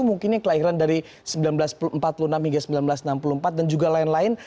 mungkinnya kelahiran dari seribu sembilan ratus empat puluh enam hingga seribu sembilan ratus enam puluh empat dan juga lain lain